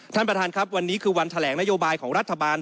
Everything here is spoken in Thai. ท่านประธานครับวันนี้คือวันแถลงนโยบายของรัฐบาล